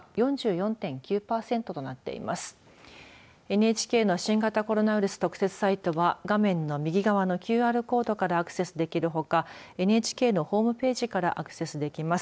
ＮＨＫの新型コロナウイルス特設サイトは画面の右側のＱＲコードからアクセスできるほかＮＨＫのホームページからアクセスできます。